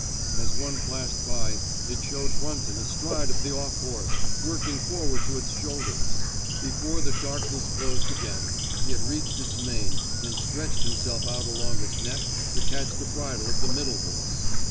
As one flashed by, it showed Brunton astride of the off horse, working forward to its shoulders. Before the dark ness closed again, he had reached its mane and stretched himself out along its neck to catch the bridle of the middle horse.